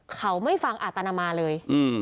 เขาไม่ฟังอาตนามาเลย